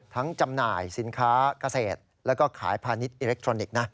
จำหน่ายสินค้าเกษตรแล้วก็ขายพาณิชยอิเล็กทรอนิกส์